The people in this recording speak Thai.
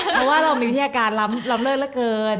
เพราะว่าเรามีพฤษฐการณ์ล้ำเลิกเกิน